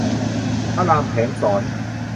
พระรามแผลงศร